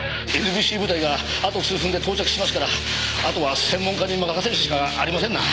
ＮＢＣ部隊があと数分で到着しますからあとは専門家に任せるしかありませんな。